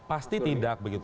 pasti tidak begitu